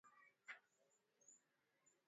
baada ya Mustafa Kemal ambaye baadaye anajulikana